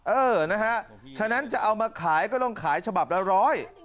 เออนะฮะฉะนั้นจะเอามาขายก็ต้องขายฉบับละร้อย